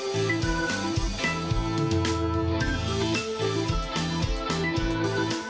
สวัสดีครับ